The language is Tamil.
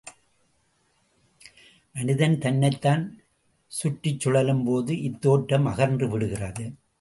மனிதன் தன்னைத்தான் சுற்றிச் சுழலும்போது இத்தோற்றம் அகன்று விடுகிறது.